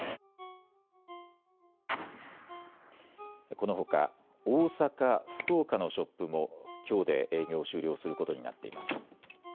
このほか大阪、福岡のショップもきょうで営業を終了することになっています。